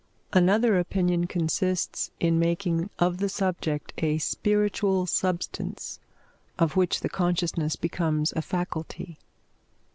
Another opinion consists in making of the subject a spiritual substance, of which the consciousness becomes a faculty.